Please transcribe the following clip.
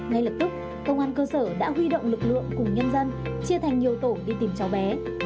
ngay lập tức công an cơ sở đã huy động lực lượng cùng nhân dân chia thành nhiều tổ đi tìm cháu bé